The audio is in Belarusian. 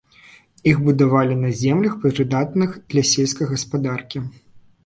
Іх будавалі на землях, прыдатных для сельскай гаспадаркі.